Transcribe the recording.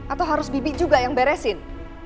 atau harus bibi juga yang beresin